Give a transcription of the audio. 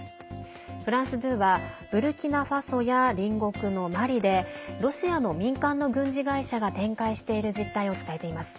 フランス２はブルキナファソや隣国のマリでロシアの民間の軍事会社が展開している実態を伝えています。